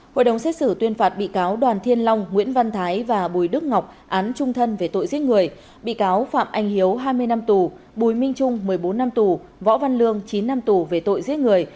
hội đồng xét xử tuyên phạt bị cáo đoàn thiên long nguyễn văn thái và bùi đức ngọc án trung thân về tội giết người bị cáo phạm anh hiếu hai mươi năm tù bùi minh trung một mươi bốn năm tù võ văn lương chín năm tù về tội giết người